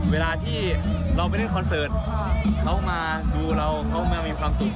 เวลาที่เราไปเล่นคอนเสิร์ตเขามาดูเราเขามามีความสุข